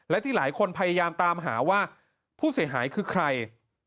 และที่หลายคนพยายามตามหาว่าผู้เสียหายคือใคร